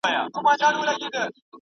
له وختونو مي تر زړه ویني څڅیږي.